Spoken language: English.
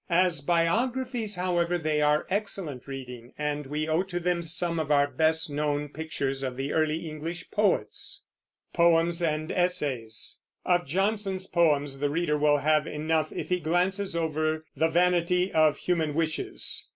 As biographies, however, they are excellent reading, and we owe to them some of our best known pictures of the early English poets. Of Johnson's poems the reader will have enough if he glance over "The Vanity of Human Wishes."